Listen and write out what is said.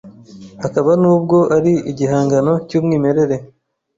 hakaba n’ubwo ari igihangano cy’umwimerere